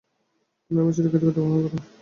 পুনরায় আমার চিরকৃতজ্ঞতা গ্রহণ করুন।